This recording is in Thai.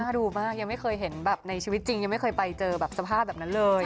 ดูมากยังไม่เคยเห็นแบบในชีวิตจริงยังไม่เคยไปเจอแบบสภาพแบบนั้นเลย